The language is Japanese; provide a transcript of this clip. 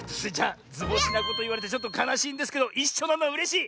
ずぼしなこといわれてちょっとかなしいんですけどいっしょなのはうれしい！